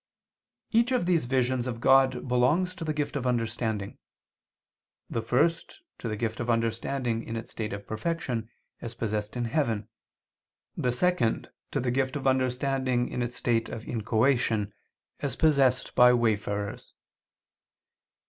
Each of these visions of God belongs to the gift of understanding; the first, to the gift of understanding in its state of perfection, as possessed in heaven; the second, to the gift of understanding in its state of inchoation, as possessed by wayfarers.